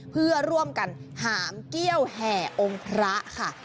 เพื่อร่วมกันหามเกี้ยวแห่องค์พระค่ะ